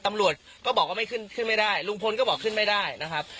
ตำรวจก็บอกว่าไม่ขึ้นขึ้นไม่ได้ลุงพลก็บอกขึ้นไม่ได้นะครับ